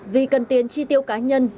vì cần tiền tri tiêu cá nhân